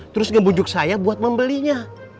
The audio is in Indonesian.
terus ngebujuk saya buat membelinya